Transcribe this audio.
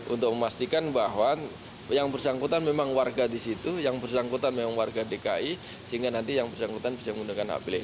untuk memastikan bahwa yang bersangkutan memang warga di situ yang bersangkutan memang warga dki sehingga nanti yang bersangkutan bisa menggunakan hak pilih